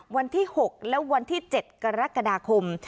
วันที่๖และวันที่๗กรกฎาคม